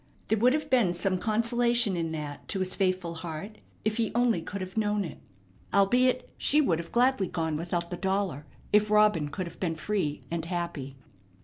There would have been some consolation in that to his faithful heart if he only could have known it. Albeit she would have gladly gone without the dollar if Robin could have been free and happy.